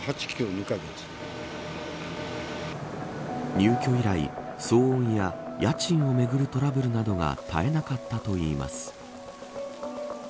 入居以来、騒音や家賃をめぐるトラブルなどがたえなかったといいます。